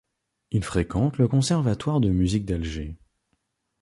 Il fréquente le conservatoire de musique d'Alger.